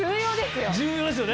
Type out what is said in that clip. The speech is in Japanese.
重要ですよ！